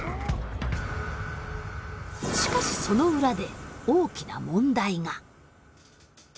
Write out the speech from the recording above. しかしその裏で大きな問題が。